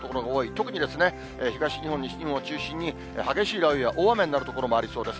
特に東日本、西日本を中心に、激しい雷雨や大雨になる所もありそうです。